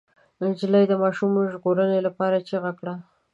نجلۍ د ماشوم د ژغورنې لپاره چيغه کړه.